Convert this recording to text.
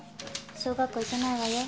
小学校行けないわよ。